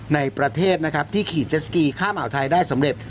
ในประเทศนะครับที่ขี่เจสกีข้ามอ่าวไทยได้สำเร็จ